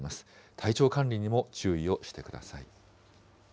体調管理にも注意をしてください。